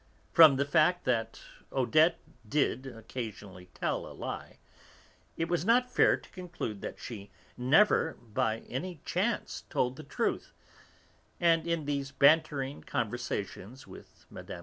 From the fact that Odette did occasionally tell a lie, it was not fair to conclude that she never, by any chance, told the truth, and in these bantering conversations with Mme.